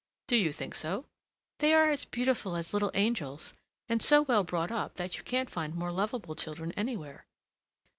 "Do you think so?" "They are as beautiful as little angels, and so well brought up that you can't find more lovable children anywhere."